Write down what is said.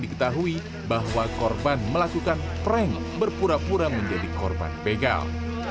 diketahui bahwa korban melakukan prank berpura pura menjadi korban begal